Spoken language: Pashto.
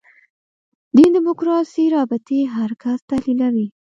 دین دیموکراسي رابطې هر کس تحلیلوي.